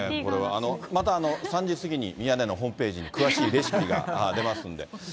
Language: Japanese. また、３時過ぎに、ミヤネ屋のホームページに詳しいレシピが出ますんで。